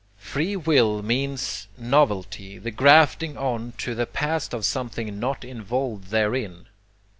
Free will means novelty, the grafting on to the past of something not involved therein.